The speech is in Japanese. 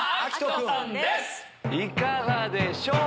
いかがでしょう？